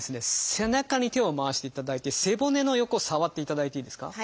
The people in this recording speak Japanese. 背中に手を回していただいて背骨の横触っていただいていいですか。